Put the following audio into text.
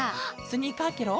スニーカーケロ？